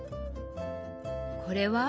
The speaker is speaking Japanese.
これは？